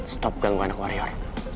stop ganggu anak warior